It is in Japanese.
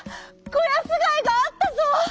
こやすがいがあったぞ！」。